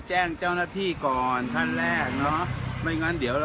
แหล่งแล้วจะแจ้งตัวเรา